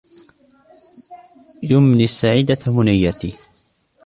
يمني السعيدة منيتي